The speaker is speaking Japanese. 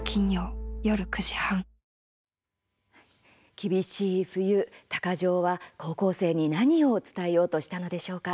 厳しい冬、鷹匠は高校生に何を伝えようとしたのでしょうか。